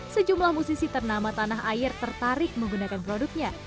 sejumlah musisi ternama tanah air tertarik menggunakan produknya